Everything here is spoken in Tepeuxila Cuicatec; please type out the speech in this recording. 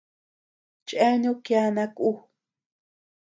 Chéanu kiana kú.